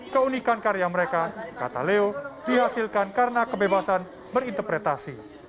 keunikan karya mereka kata leo dihasilkan karena kebebasan berinterpretasi